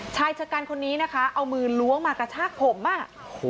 ชายชะกันคนนี้นะคะเอามือล้วงมากระชากผมอ่ะโอ้โห